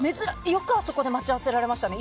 よくあそこで待ち合わせられましたね。